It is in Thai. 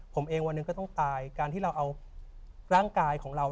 ผมเองวันหนึ่งก็ต้องตายการที่เราเอาร่างกายของเรา